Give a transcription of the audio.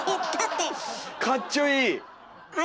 かっちょいい！